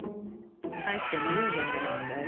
入ってもようござんすかえ？